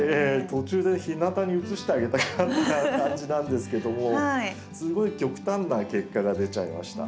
途中で日なたに移してあげたくなった感じなんですけどもすごい極端な結果が出ちゃいました。